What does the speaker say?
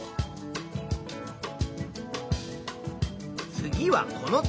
次はこの月。